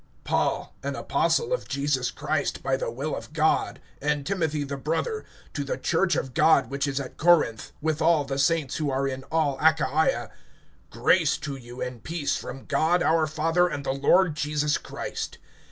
PAUL, an apostle of Jesus Christ by the will of God, and Timothy the brother, to the church of God which is at Corinth, with all the saints who are in all Achaia: (2)Grace to you and peace from God our Father and the Lord Jesus Christ.